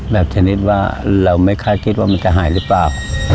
ชนิดว่าเราไม่คาดคิดว่ามันจะหายหรือเปล่า